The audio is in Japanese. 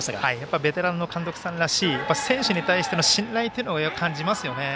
ベテランの監督さんらしい選手に対しての信頼というのを感じますよね。